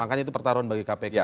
makanya itu pertaruhan bagi kpk